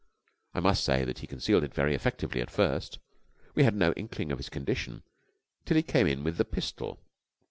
I must say that he concealed it very effectively at first. We had no inkling of his condition till he came in with the pistol.